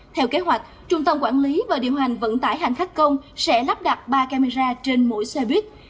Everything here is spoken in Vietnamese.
theo kế hoạch trung tâm quản lý và điều hành vận tải hành khách công sẽ lắp đặt ba camera trên mỗi xe buýt